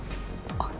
yang ngajak ke puncak